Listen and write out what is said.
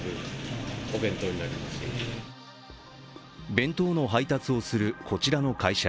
弁当の宅配をする、こちらの会社。